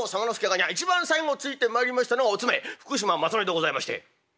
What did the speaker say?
一番最後ついてまいりましたのはお詰め福島正則でございまして。